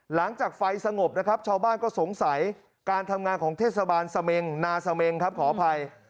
หลังจากไฟสงบนะครับชาวบ้านก็สงสัยการทำงานของเทศบาลเสมงนาเสมงครับขออภัย